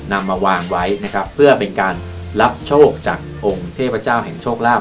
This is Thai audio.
นำมาวางไว้นะครับเพื่อเป็นการรับโชคจากองค์เทพเจ้าแห่งโชคลาภ